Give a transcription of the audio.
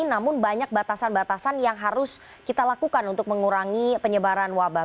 namun banyak batasan batasan yang harus kita lakukan untuk mengurangi penyebaran wabah